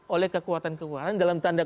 oleh kekuatan kekuatan dalam tanda